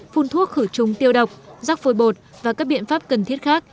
phun thuốc khử trùng tiêu độc rắc phôi bột và các biện pháp cần thiết khác